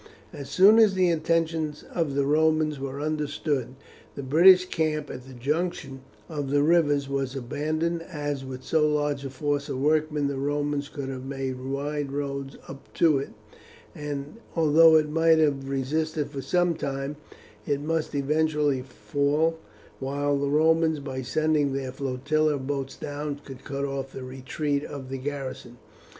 As soon as the intentions of the Romans were understood, the British camp at the junction of the rivers was abandoned, as with so large a force of workmen the Romans could have made wide roads up to it, and although it might have resisted for some time, it must eventually fall, while the Romans, by sending their flotilla of boats down, could cut off the retreat of the garrison.